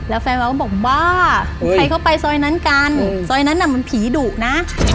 แล้วแฟนเขาก็บอกว่าใครเข้าไปซอยนั้นกันซอยนั้นน่ะมันผีดุนะ